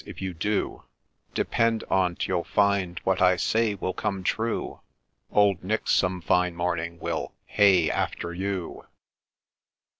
— if you do, — Depend on't you'll find what I say will come true, — Old Nick, some fine morning, will ' hey after you